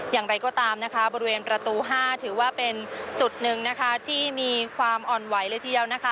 อย่างไรก็ตามนะคะบริเวณประตู๕ถือว่าเป็นจุดหนึ่งนะคะที่มีความอ่อนไหวเลยทีเดียวนะคะ